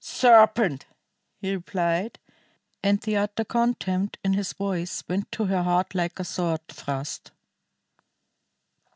"Serpent!" he replied, and the utter contempt in his voice went to her heart like a sword thrust.